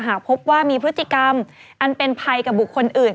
หากพบว่ามีพฤติกรรมอันเป็นภัยกับบุคคลอื่น